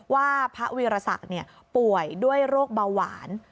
ว่าพระวีรศักดิ์ป่วยด้วยโรคเบาหวาน